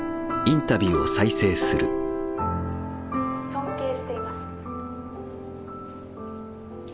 尊敬しています。